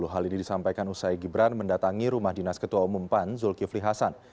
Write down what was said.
hal ini disampaikan usai gibran mendatangi rumah dinas ketua umum pan zulkifli hasan